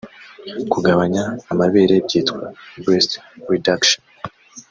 Kugabanya amabere byitwa Breast Reduction